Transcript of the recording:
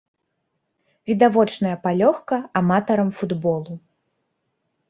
Відавочная палёгка аматарам футболу.